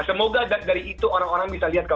semoga dari itu orang orang bisa lihat kau